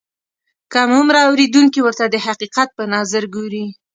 کم عمره اورېدونکي ورته د حقیقت په نظر ګوري.